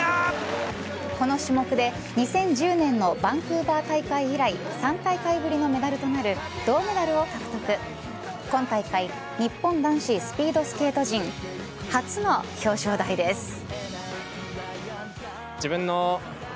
この種目で２０１０年のバンクーバー大会以来３大会ぶりのメダルとなる銅メダルを獲得、今大会日本男子スピードスケート陣初の表彰台です。